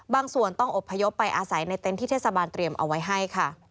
บางส่วนต้องอบพยพไปอาศัยในเต็นต์ที่เทศบาลเตรียมเอาไว้ให้ค่ะ